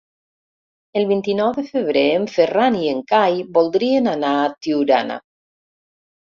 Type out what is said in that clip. El vint-i-nou de febrer en Ferran i en Cai voldrien anar a Tiurana.